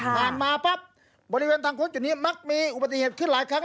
มาปั๊บบริเวณทางโค้งจุดนี้มักมีอุบัติเหตุขึ้นหลายครั้ง